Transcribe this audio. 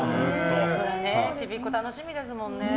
ちびっこ、楽しみですもんね。